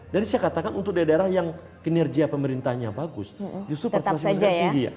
jadi saya katakan untuk daerah daerah yang kinerja pemerintahnya bagus justru partisipasi masyarakat tinggi